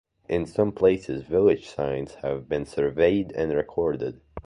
In some places village signs have been surveyed and recorded.